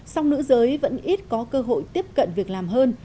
song nữ giới vẫn ít có cơ hội tiếp cận việc làm hơn